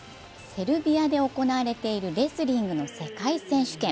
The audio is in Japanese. セルビアで行われているレスリングの世界選手権。